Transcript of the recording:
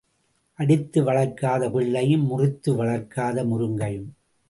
அடித்து வளர்க்காத பிள்ளையும் முறித்து வளர்க்காத முருங்கையும்.